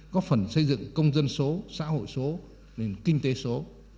có phần xây dựng công dân số xã hội số nền kinh tế số